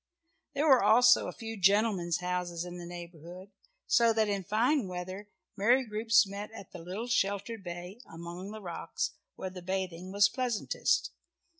There were also a few gentlemen's houses in the neighbourhood, so that in fine weather merry groups met at the little sheltered bay among the rocks, where the bathing was pleasantest.